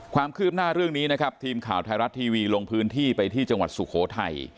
ความคืบหน้าเรื่องนี้นะครับทีมข่าวไทยรัฐทีวีลงพื้นที่ไปที่จังหวัดสุโขทัย